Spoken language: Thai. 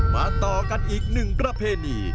ต่อกันอีกหนึ่งประเพณี